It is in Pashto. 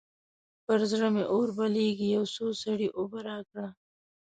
پر زړه مې اور بلېږي؛ يو څه سړې اوبه راکړه.